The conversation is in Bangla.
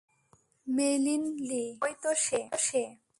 মেইলিন লী, ওই তো সে।